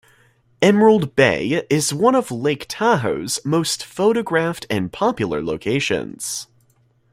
Emerald Bay is one of Lake Tahoe's most photographed and popular locations.